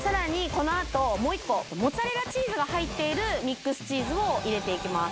このあともう１個モッツァレラチーズが入っているミックスチーズを入れていきます